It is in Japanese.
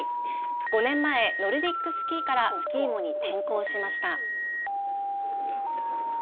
５年前、ノルディックスキーからスキーモに転向しました。